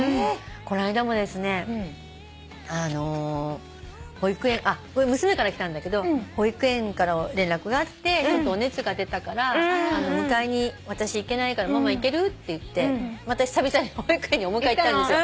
この間もですねあの娘からきたんだけど保育園から連絡があってちょっとお熱が出たから迎えに私行けないからママ行ける？って言って久々に保育園にお迎え行ったんですよ。